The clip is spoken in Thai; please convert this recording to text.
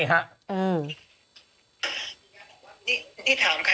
นี่ถามใครอยู่คะ